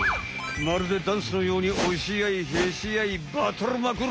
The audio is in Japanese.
まるでダンスのようにおしあいへしあいバトルまくる！